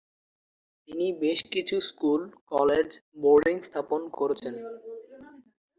তিনি বেশ কিছু স্কুল, কলেজ, বোর্ডিং স্থাপন করেছেন।